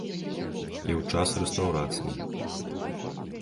І ў час рэстаўрацыі.